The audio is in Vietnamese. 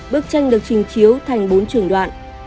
bức tranh được trình chiếu thành bốn trường đoạn